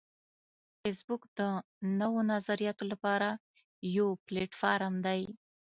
فېسبوک د نوو نظریاتو لپاره یو پلیټ فارم دی